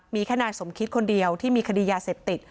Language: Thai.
มีแค่นายสมคิดคนเดียวที่มีคดียาเสพติด